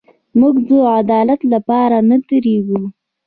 موږ د عدالت لپاره نه درېږو.